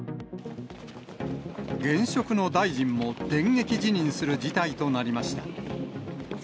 現職の大臣も電撃辞任する事態となりました。